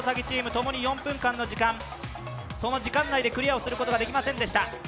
ともに４分間の時間その時間内でクリアをすることができませんでした。